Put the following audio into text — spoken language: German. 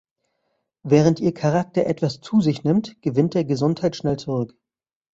Während Ihr Charakter etwas zu sich nimmt, gewinnt er Gesundheit schnell zurück.